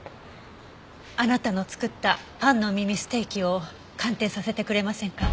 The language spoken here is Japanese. あなたの作ったパンの耳ステーキを鑑定させてくれませんか？